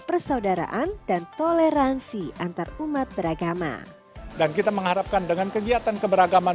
kebenaran dan toleransi antar umat beragama dan kita mengharapkan dengan kegiatan keberagaman